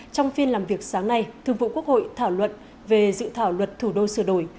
trong phiên làm việc sáng nay thường vụ quốc hội thảo luận về dự thảo luật thủ đô sửa đổi